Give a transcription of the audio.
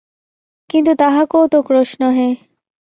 কিন্তু তাহা কৌতুকরস নহে।